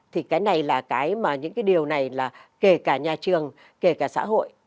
thì cái này là cái mà những cái điều này là kể cả nhà trường kể cả xã hội